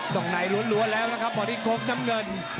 ต้องไหนลวนแล้วนะครับบริโกฟจำเงิน